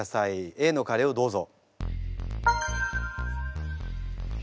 Ａのカレーをどうぞ。